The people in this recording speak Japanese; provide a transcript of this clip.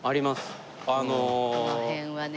この辺はね